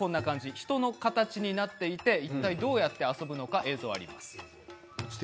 人の形になっていていったいどうやって遊ぶのか映像があります。